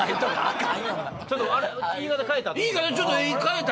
ちょっと言い方変えた。